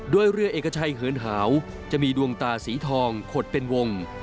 โดยเรือเอกชัยเหินหาวจะมีดวงตาสีทองขดเป็นวง